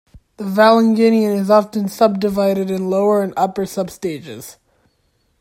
The Valanginian is often subdivided in Lower and Upper substages.